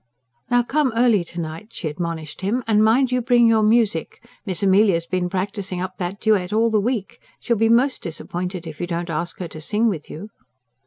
"Now come early to night," she admonished him. "And mind you bring your music. Miss Amelia's been practising up that duet all the week. She'll be most disappointed if you don't ask her to sing with you."